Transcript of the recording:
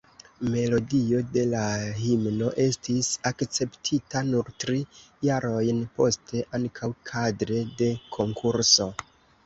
Melodio de la himno estis akceptita nur tri jarojn poste, ankaŭ kadre de konkurso.